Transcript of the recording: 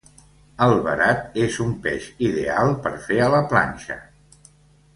El verat és un peix ideal per fer a la planxa.